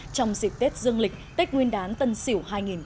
trong dịp tết dương lịch tết nguyên đán tân sỉu hai nghìn hai mươi một